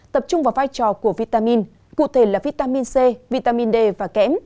tập trung vào vai trò của vitamin cụ thể là vitamin c vitamin d và kẽm